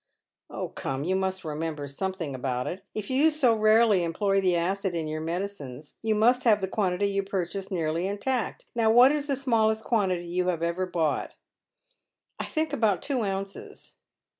" Oh, come, you must remember sometliing about it. If you BO rarely employ the acid in your medicines you must have the quantity you purchased nearly intact. Now what is the smallest quantity you have ever bought ?"" I think, about two ounces."